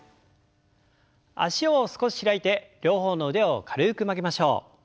脚を少し開いて両方の腕を軽く曲げましょう。